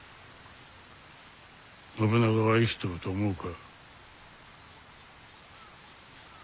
信長は生きとると思うか？